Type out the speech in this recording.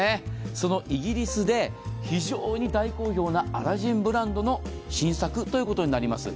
そのイギリスで非常に大好評なアラジンブランドの新作ということになります。